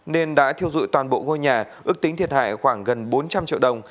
nên đã thiêu dụi toàn bộ ngôi nhà ước tính thiệt hại khoảng gần bốn trăm linh triệu đồng